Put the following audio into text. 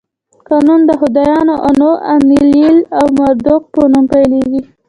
قانون د خدایانو آنو، اینلیل او مردوک په نوم پیلېږي.